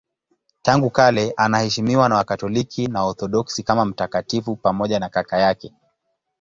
Tangu kale anaheshimiwa na Wakatoliki na Waorthodoksi kama mtakatifu pamoja na kaka yake.